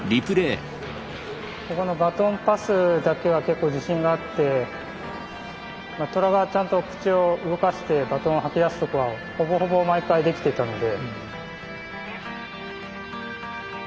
ここのバトンパスだけは結構自信があってトラがちゃんと口を動かしてバトンを吐き出すとこはほぼほぼ毎回できてたので。